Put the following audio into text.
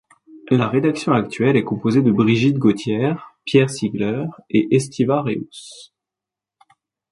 La rédaction actuelle est composée de Brigitte Gothière, Pierre Sigler et Estiva Reus.